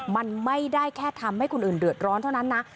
มันไม่ได้แค่ทำให้คนอื่นเดือดร้อนเท่านั้นนะ